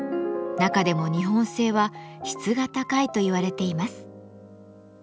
中でも日本製は質が高いといわれています。